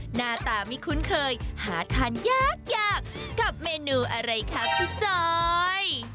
หน้าตาไม่คุ้นเคยหาทานยากยากกับเมนูอะไรคะพี่จอย